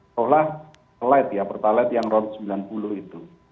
soalnya per talet yang rp sembilan puluh itu